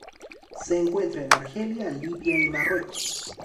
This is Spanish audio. Se encuentra en Argelia, Libia y Marruecos.